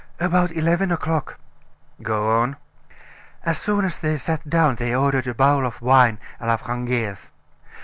"About eleven o'clock." "Go on." "As soon as they sat down they ordered a bowl of wine, a la Frangaise.